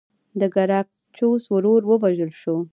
د ګراکچوس ورور ووژل شو.